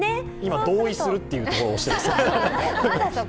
同意するってところ、押してます